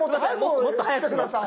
もっと早くして下さい。